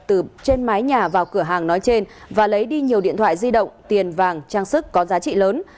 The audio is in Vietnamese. từ trên mái nhà vào cửa hàng nói trên và lấy đi nhiều điện thoại di động tiền vàng trang sức có giá trị lớn